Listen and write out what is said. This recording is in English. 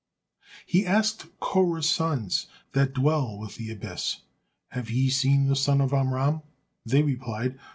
He asked Korah's sons, that dwell with the Abyss, "Have ye seen the son of Amram?" They replied.